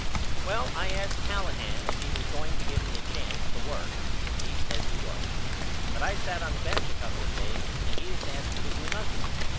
Well I asked Callahan if he was going to give me a chance to work and he says he was. But I sat on the bench a couple of days and he didn't ask me to do nothing.